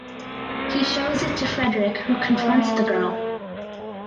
He shows it to Frederic who confronts the girl.